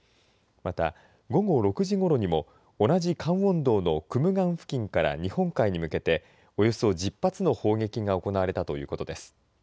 また午後６時ごろにも同じカンウォン道のクムガン付近から日本海に向けておよそ１０発の砲撃が行われたということです。